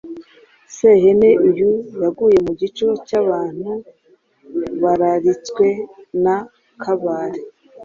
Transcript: Sehene uyu yaguye mu gico cy’abantu bararitswe na Kabare